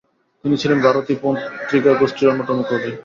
তিনি ছিলেন ভারতী পত্রিকাগোষ্ঠীর অন্যতম কবি।